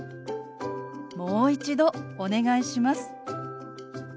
「もう一度お願いします」。